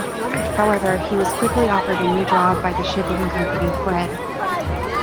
However, he was quickly offered a new job by the shipping company Fred.